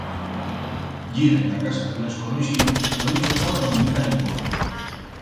Yir enta casa d'un desconoixiu no li chocaba ni mica ni pont.